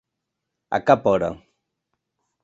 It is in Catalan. A cap hora.